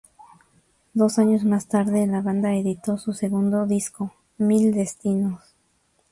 Dos años más tarde la banda editó su segundo disco Mil Destinos.